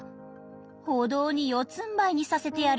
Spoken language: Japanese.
舗道に四つんばいにさせてやる。